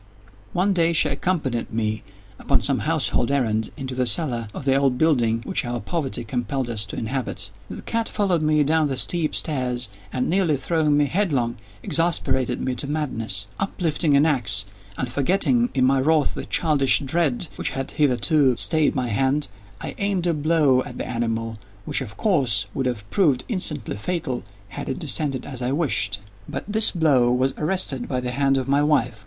One day she accompanied me, upon some household errand, into the cellar of the old building which our poverty compelled us to inhabit. The cat followed me down the steep stairs, and, nearly throwing me headlong, exasperated me to madness. Uplifting an axe, and forgetting, in my wrath, the childish dread which had hitherto stayed my hand, I aimed a blow at the animal which, of course, would have proved instantly fatal had it descended as I wished. But this blow was arrested by the hand of my wife.